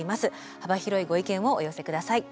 幅広いご意見をお寄せください。